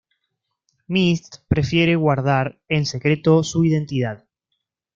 Myst prefiere guardar en secreto su identidad.